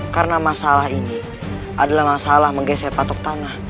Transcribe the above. karena masalah ini adalah masalah menggesek patok tanah